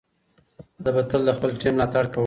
زه به تل د خپل ټیم ملاتړ کوم.